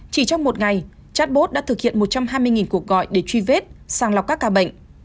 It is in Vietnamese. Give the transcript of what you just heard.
chỉ trong một ngày chatbot đã thực hiện một trăm hai mươi cuộc gọi để truy vết sàng lọc các ca bệnh